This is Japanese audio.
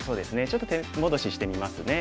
ちょっと手戻ししてみますね。